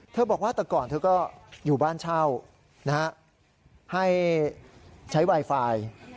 บอกว่าแต่ก่อนเธอก็อยู่บ้านเช่าให้ใช้ไวไฟ